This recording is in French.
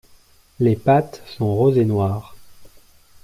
Les pattes sont roses et noires.